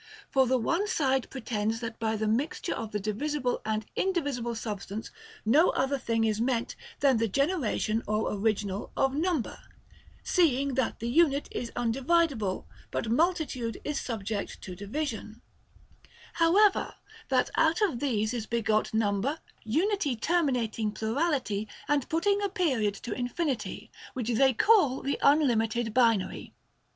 For the one side pretends that by the mixture of the divisible and indivisible substance no other thing is meant than the generation or original of number, seeing that the unit is undividable but multitude is subject to division ; however, that out of these is begot number, unity terminating plurality and putting a period to infinity, which they call the unlimited binary.